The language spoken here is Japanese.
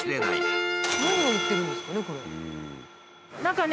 何が売ってるんですかね？